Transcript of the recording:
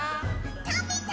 たべた！